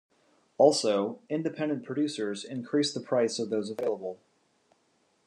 Also, independent producers increased the price of those available.